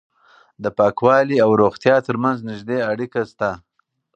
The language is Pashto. د پاکوالي او روغتیا ترمنځ نږدې اړیکه شته.